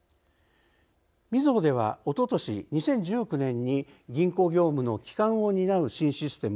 みずほではおととし２０１９年に銀行業務の基幹を担う新システム